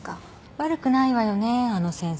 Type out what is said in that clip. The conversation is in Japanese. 悪くないわよねあの先生。